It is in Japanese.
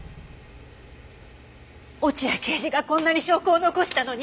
落合刑事がこんなに証拠を残したのに！